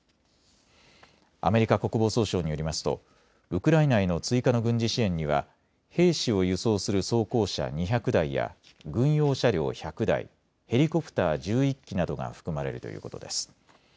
アメリカ国防総省によりますとウクライナへの追加の軍事支援には兵士を輸送する装甲車２００台や軍用車両１００台、ヘリコプター１１機などが含まれるということです。